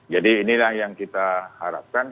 jadi inilah yang kita harapkan